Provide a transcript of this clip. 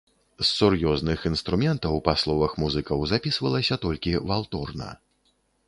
З сур'ёзных інструментаў, па словах музыкаў, запісвалася толькі валторна.